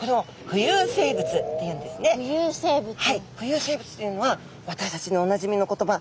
浮遊生物というのは私たちにおなじみの言葉